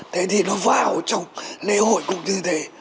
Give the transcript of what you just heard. thế thì nó vào trong lễ hội cũng như thế